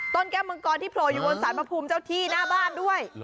แก้มังกรที่โผล่อยู่บนสารพระภูมิเจ้าที่หน้าบ้านด้วย